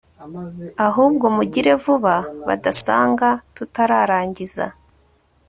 ahubwo mugire vuba badasanga tutararangiza